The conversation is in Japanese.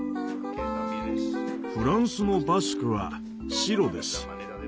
フランスのバスクは白です。